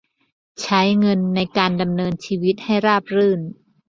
ใช้เงินในการดำเนินชีวิตให้ราบรื่น